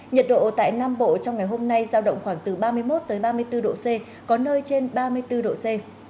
nhiệt độ tại nam bộ trong ngày hôm nay giao động khoảng từ ba mươi một ba mươi bốn độ c có nơi trên ba mươi bốn độ c